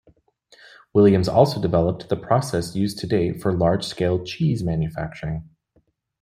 Williams also developed the process used today for large-scale cheese manufacturing.